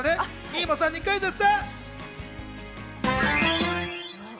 いもさんにクイズッス！